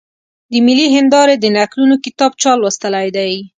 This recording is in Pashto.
د ملي هېندارې د نکلونو کتاب چا لوستلی دی؟